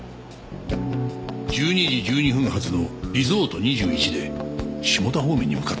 １２時１２分発のリゾート２１で下田方面に向かったそうだ。